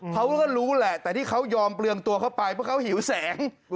เขาก็รู้แหละแต่ที่เขายอมเปลืองตัวเข้าไปเพราะเขาหิวแสง